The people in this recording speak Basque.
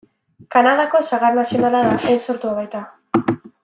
Kanadako sagar nazionala da, han sortua baita.